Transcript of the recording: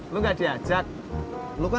lu gak diajak